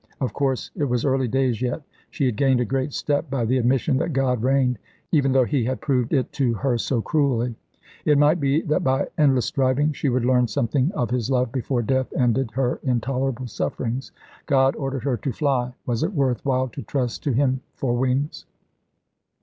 Of course, it was early days yet. She had gained a great step by the admission that God reigned, even though He had proved it to her so cruelly. It might be that by endless striving she would learn something of His love before Death ended her intolerable sufferings. God ordered her to fly; was it worth while to trust to Him for wings?